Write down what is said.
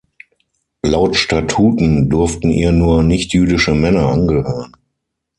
Laut Statuten durften ihr nur „nichtjüdische Männer“ angehören.